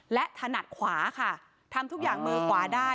และถนัดขวาค่ะทำทุกอย่างมือขวาได้